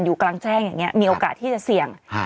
กลางแจ้งอย่างนี้มีโอกาสที่จะเสี่ยง